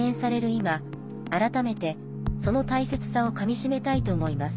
今改めて、その大切さをかみしめたいと思います。